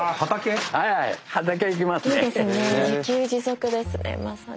自給自足ですねまさに。